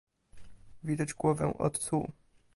"Widać głowę, ot tu!"